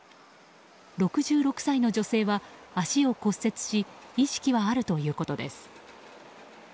６６歳の女性は足を骨折し意識はあるということです。